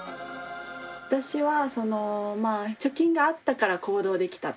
私は貯金があったから行動できた。